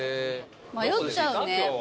迷っちゃうね。